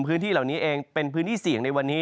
พื้นที่เหล่านี้เองเป็นพื้นที่เสี่ยงในวันนี้